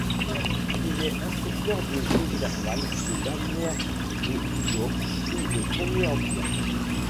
Il est inspecteur des eaux thermales de Bagnères-de-Bigorre sous le Premier Empire.